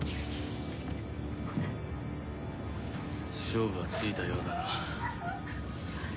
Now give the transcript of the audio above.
勝負はついたようだな。